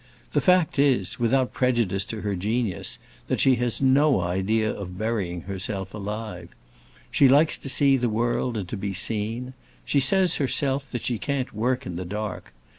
The fact is, without prejudice to her genius, that she has no idea of burying herself alive. She likes to see the world, and to be seen. She says, herself, that she can't work in the dark.